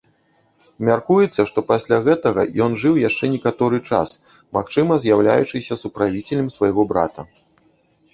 Мяркуецца, што пасля гэтага ён жыў яшчэ некаторы час, магчыма, з'яўляючыся суправіцелем свайго брата.